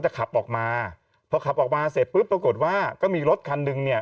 ขับออกมาพอขับออกมาเสร็จปุ๊บปรากฏว่าก็มีรถคันหนึ่งเนี่ย